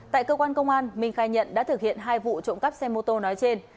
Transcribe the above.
tại cơ quan công an minh khai nhận đã thực hiện hai vụ trộm cắp xe mô tô nói trên